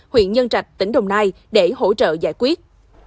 huyện nhân trạch tỉnh đồng nai để hỗ trợ giải quyết